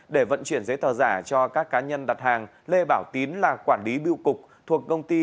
để vận chuyển giấy tờ giả cho các cá nhân đặt hàng lê bảo tín là quản lý biêu cục thuộc công ty